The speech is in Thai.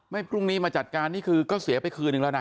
พรุ่งนี้มาจัดการนี่คือก็เสียไปคืนนึงแล้วนะ